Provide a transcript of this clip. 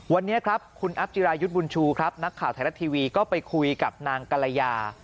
วันนี้ครับคุณอัพจิรายุทธ์บุญชูครับนักข่าวไทยรัฐทีวีก็ไปคุยกับนางกรยา